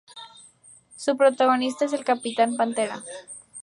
Su protagonista, el El Capitán Pantera...